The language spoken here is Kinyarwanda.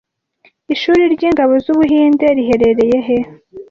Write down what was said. Ishuri ryingabo zUbuhinde riherereye he